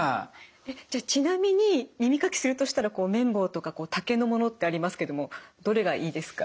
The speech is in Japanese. じゃちなみに耳かきするとしたら綿棒とか竹のものってありますけどもどれがいいですか？